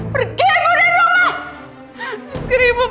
pergi ibu dari rumah